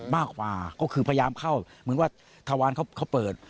มากกว่าก็คือพยายามเข้าเหมือนว่าทวารเขาเปิด